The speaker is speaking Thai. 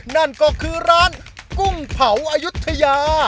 นั่นก็คือร้านกุ้งเผาอายุทยา